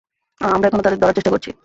আহ, আমরা এখনো তাদের ধরার চেষ্টা করছি।